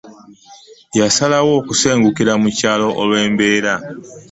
Yasalawo okusengukira mu kyalo olw'embeera